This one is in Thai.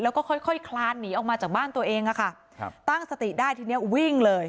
แล้วก็ค่อยค่อยคลานหนีออกมาจากบ้านตัวเองอะค่ะครับตั้งสติได้ทีเนี้ยวิ่งเลย